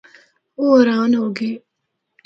او حیران ہو گئے۔